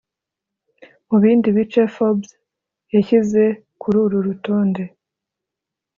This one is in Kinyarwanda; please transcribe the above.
Mu bindi bice Forbes yashyize kuri uru rutonde